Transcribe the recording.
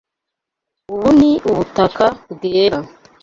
Ubu ni ubutaka bwera.